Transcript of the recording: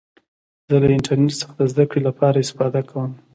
زه له انټرنټ څخه د زدهکړي له پاره استفاده کوم.